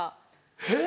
えっ